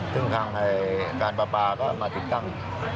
ซึ่งทางไฟการป่าก็มาติดกลั้ง